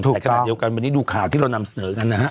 ในขณะเดียวกันวันนี้ดูข่าวที่เรานำเสนอกันนะฮะ